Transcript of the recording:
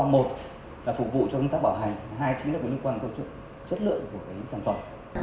một là phục vụ cho công tác bảo hành hai chính là có liên quan công trực chất lượng của sản phẩm